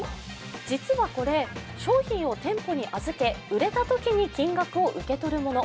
実はこれ商品を店舗に預け、売れたときに金額を受け取るもの。